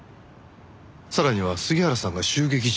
さらには杉原さんが襲撃事件